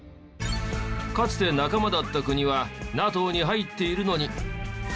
かつて仲間だった国はＮＡＴＯに入っているのに。